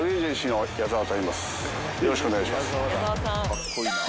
よろしくお願いします。